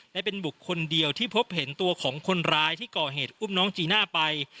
และเป็นบุคคลเดียวที่พบเห็นตัวของคนร้ายที่ก่อเหตุอุ้มน้องจีน่าไป